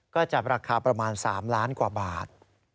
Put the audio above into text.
ก็จะราคาประมาณ๓ล้านกว่าบาท